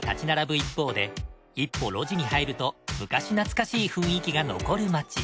一方で一歩路地に入ると昔懐かしい雰囲気が残る街。